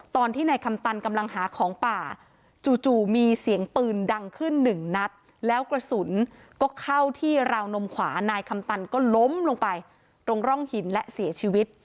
ตอนที่นายคำตันกำลังหาของป่าจู่มีเสียงปืนดังขึ้นหนึ่งนัดแล้วกระสุนก็เข้าที่ราวนมขวานายคำตันก็ล้มลงไปตรงร่องหินและเสียชีวิต